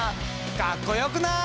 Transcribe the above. かっこよくない？